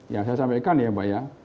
yang saya sampaikan ya mbak ya